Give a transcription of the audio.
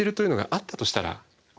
あったとしたら。